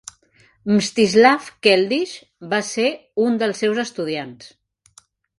Mstislav Keldysh va ser un dels seus estudiants.